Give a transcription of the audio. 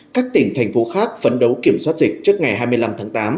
các tỉnh thành phố khác phấn đấu kiểm soát dịch trước ngày hai mươi năm tháng tám